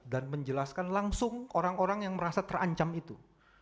dan menjelaskan langsung orang orang yang merasa terancam itu